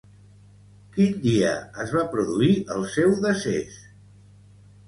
Quin dia es va produir el seu decés?